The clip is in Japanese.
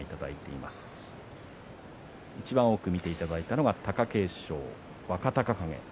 いちばん多く見ていただいたのは貴景勝、若隆景戦。